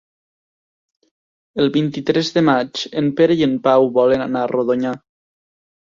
El vint-i-tres de maig en Pere i en Pau volen anar a Rodonyà.